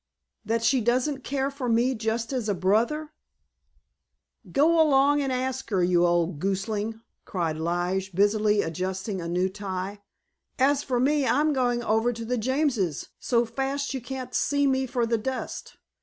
That she doesn't care for me just as a brother——" "Go along and ask her, you old gosling," cried Lige, busily adjusting a new tie. "As for me, I'm going over to the Jameses so fast you can't see me for the dust.